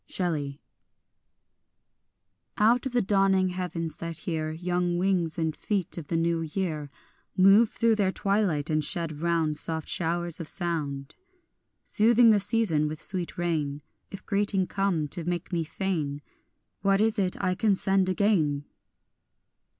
Shelley. I OUT of the dawning heavens that hear Young wings and feet of the new year Move through their twilight, and shed round Soft showers of sound, Soothing the season with sweet rain, If greeting come to make me fain, What is it I can send again?